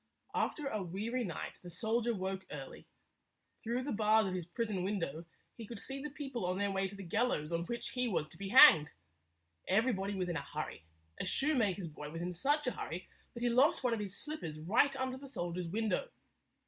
After a weary night, the soldier woke early. Through the bars of his prison window he could see the people on their way to the gallows on which he was to be hanged. Everybody was in a hurry. A shoemaker's boy was in such a hurry that he lost one of his slippers right under the soldier's window.